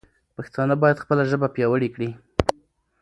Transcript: پښتانه باید خپله ژبه پیاوړې کړي.